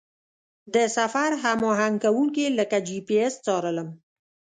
د سفر هماهنګ کوونکي لکه جي پي اس څارلم.